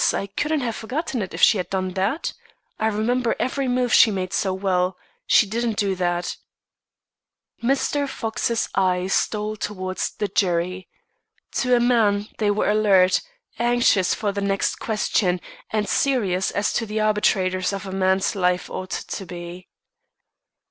I couldn't have forgotten it, if she had done that. I remember every move she made so well. She didn't do that." Mr. Fox's eye stole towards the jury. To a man, they were alert, anxious for the next question, and serious, as the arbitrators of a man's life ought to be.